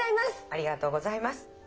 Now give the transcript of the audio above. ありがとうございます。